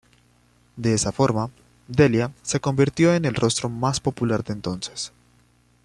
De esa forma, Delia se convirtió en el rostro más popular de entonces.